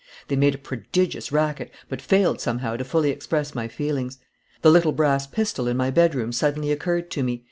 They made a prodigious racket, but failed somehow to fully express my feelings. The little brass pistol in my bedroom suddenly occurred to me.